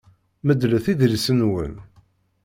Medlet idlisen-nwen.